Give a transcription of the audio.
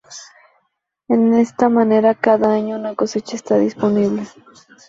En esta manera cada año una cosecha está disponible.